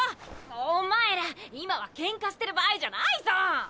おまえら今はケンカしてる場合じゃないぞ！